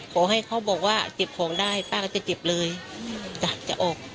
ขอให้เขาบอกว่าจิบของได้ป้าก็จะจิบเลยจะจะออก